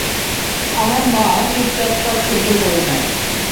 আমার মা চুপচাপ সব সহ্য করে নেয়।